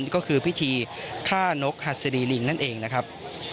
ก็คือพิธีฆ่านกหัสดีลิงนั่นเองนะครับ